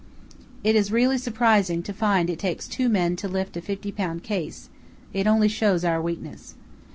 It is really surprising to find it takes two men to lift a 50 lb. case; it only shows our weakness.